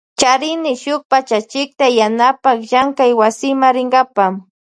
Charini shuk pachachikta yanapan llankay wasima rinkapa.